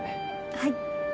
はい。